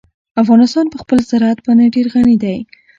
افغانستان په خپل زراعت باندې ډېر غني دی.